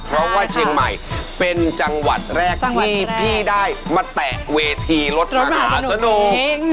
เพราะว่าเชียงใหม่เป็นจังหวัดแรกที่พี่ได้มาแตะเวทีรถมหาสนุก